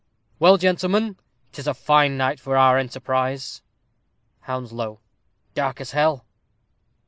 _ Well, gentlemen, 'tis a fine night for our enterprise. Hounslow. Dark as hell.